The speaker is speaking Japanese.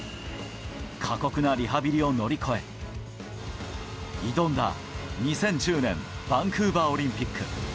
過酷なリハビリを乗り越え、挑んだ２０１０年、バンクーバーオリンピック。